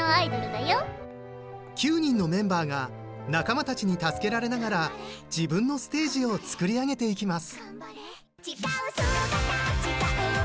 ９人のメンバーが仲間たちに助けられながら自分のステージをつくり上げていきます。